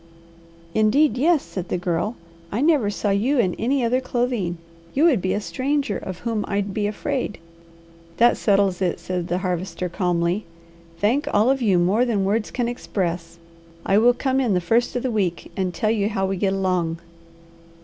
"Indeed yes," said the Girl. "I never saw you in any other clothing. You would be a stranger of whom I'd be afraid." "That settles it!" said the Harvester calmly. "Thank all of you more than words can express. I will come in the first of the week and tell you how we get along."